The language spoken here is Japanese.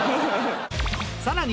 さらに！